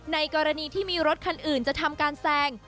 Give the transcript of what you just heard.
กรณีที่มีรถคันอื่นจะทำการแซง